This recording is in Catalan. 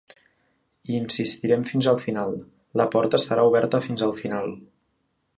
Hi insistirem fins al final, la porta estarà oberta fins al final.